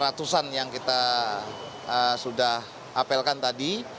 ratusan yang kita sudah apelkan tadi